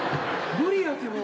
無理やってもう。